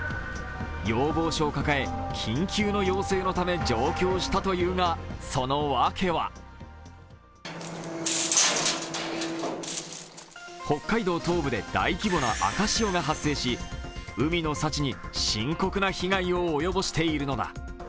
要望書を抱え、緊急の要請のため、上京したと言うが、そのわけは北海道東部で大規模な赤潮が発生し海の幸に深刻な被害を及ぼしているのだ。